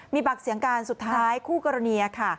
มีปากเสียงกันสุดท้ายคู่กรณีค่ะ